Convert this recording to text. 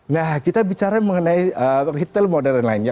nah kita bicara mengenai retail model dan lainnya